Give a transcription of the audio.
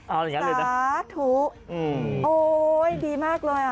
เอาอย่างนั้นเลยนะสาธุโอ้ยดีมากเลยอ่ะ